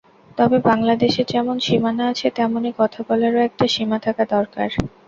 তবে বাংলাদেশের যেমন সীমানা আছে, তেমনি কথা বলারও একটা সীমা থাকা দরকার।